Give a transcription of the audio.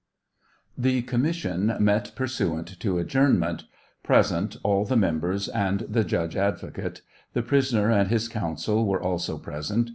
The commission met pursuant to adjournment. Present, all the members and the judge advocate. The prisoner and his counsel were also present.